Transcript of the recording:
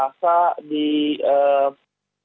di rumah sakit indonesia